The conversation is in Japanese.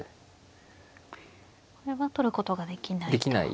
これは取ることができないと。